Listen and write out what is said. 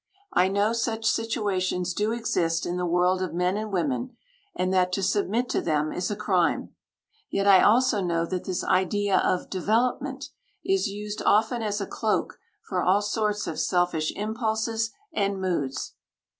I know such situations do exist in the world of men and women, and that to submit to them is a crime. Yet I also know that this idea of "development" is used often as a cloak for all sorts of selfish impulses and moods.